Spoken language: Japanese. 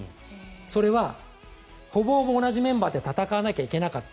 それは、ほぼほぼ同じメンバーで戦わなきゃいけなかった。